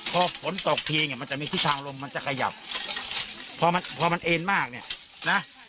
พอฝนตกทีเนี่ยมันจะมีทิศทางลมมันจะขยับพอมันพอมันเอ็นมากเนี่ยนะ